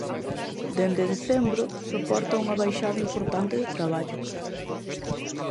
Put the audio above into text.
Dende decembro soporta unha baixada importante de traballo.